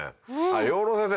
養老先生